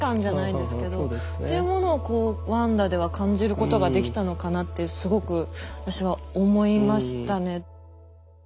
そうですね。っていうものをこう「ワンダ」では感じることができたのかなってすごく私は思いましたね。